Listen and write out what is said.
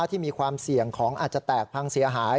ที่มีความเสี่ยงของอาจจะแตกพังเสียหาย